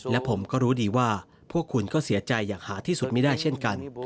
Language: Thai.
และผมก็รู้ดีว่าพวกคุณก็เสียใจอย่างหาที่สุดไม่ได้เช่นกัน